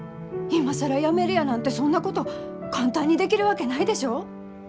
今更辞めるやなんてそんなこと簡単にできるわけないでしょう？